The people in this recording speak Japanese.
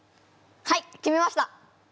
はい決めました。